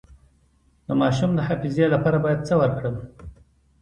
د ماشوم د حافظې لپاره باید څه ورکړم؟